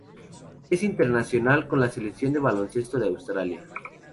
Es internacional con la Selección de baloncesto de Australia.